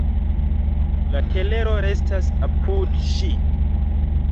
La telero restas apud ŝi.